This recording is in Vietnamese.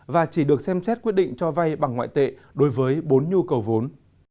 và chỉ được xem xét quyết định cho vay bằng ngoại tệ đối với bốn nhu cầu vốn